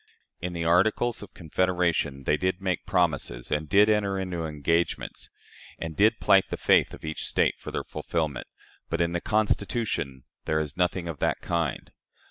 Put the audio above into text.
In the Articles of Confederation they did make promises, and did enter into engagements, and did plight the faith of each State for their fulfillment; but in the Constitution there is nothing of that kind.